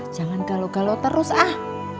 jangan galau galau terus ah